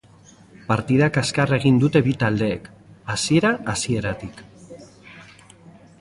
Partida kaskarra egin dute bi taldeek, hasiera-hasieratik.